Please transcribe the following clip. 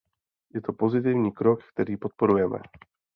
Je to pozitivní krok, který podporujeme.